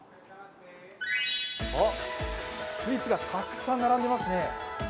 あっ、スイーツがたくさん並んでますね。